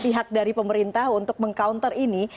pihak dari pemerintah untuk meng counter ini